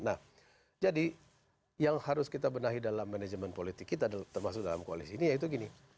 nah jadi yang harus kita benahi dalam manajemen politik kita termasuk dalam koalisi ini yaitu gini